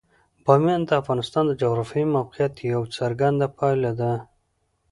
بامیان د افغانستان د جغرافیایي موقیعت یوه څرګنده پایله ده.